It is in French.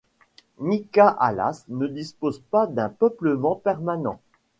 Mika Alas ne dispose pas d'un peuplement permanent.